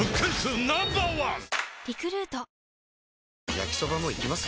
焼きソバもいきます？